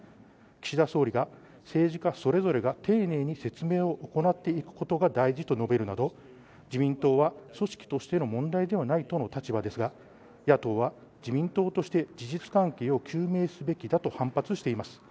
岸田総理が政治家それぞれが丁寧に説明を行っていくことが大事と述べるなど自民党は組織としての問題ではないとの立場ですが野党は自民党として事実関係を究明すべきだと反発しています